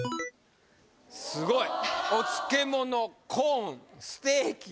すごいお漬け物コーンステーキ